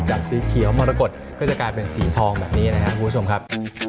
สีเขียวมรกฏก็จะกลายเป็นสีทองแบบนี้นะครับคุณผู้ชมครับ